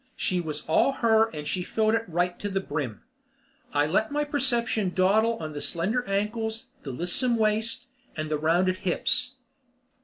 She was all her and she filled it right to the brim. I let my perception dawdle on the slender ankles, the lissome waist, and the rounded hips.